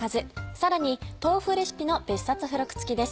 さらに豆腐レシピの別冊付録付きです。